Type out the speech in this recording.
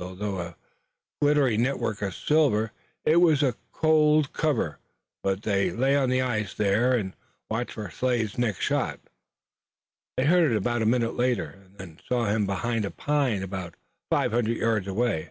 Although a glittering network of silver it was a cold covert, but they lay on the ice there and watched for Slade's next shot. They heard it a minute later, and then saw him behind a pine about five hundred yards away.